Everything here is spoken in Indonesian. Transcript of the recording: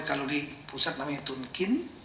kalau di pusat namanya tunkin